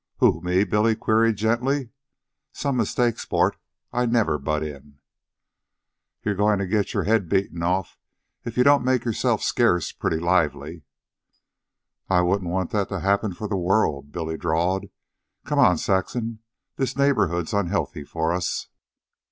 "Who? me?" Billy queried gently. "Some mistake, sport. I never butt in." "You're goin' to get your head beaten off if you don't make yourself scarce pretty lively." "I wouldn't want that to happen for the world," Billy drawled. "Come on, Saxon. This neighborhood's unhealthy for us."